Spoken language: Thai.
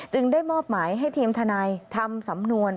ได้มอบหมายให้ทีมทนายทำสำนวน